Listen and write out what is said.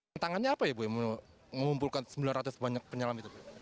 tantangannya apa ya bu yang mengumpulkan sembilan ratus banyak penyelam itu